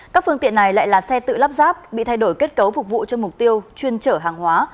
các phương tiện này lại là xe tự lắp ráp bị thay đổi kết cấu phục vụ cho mục tiêu chuyên trở hàng hóa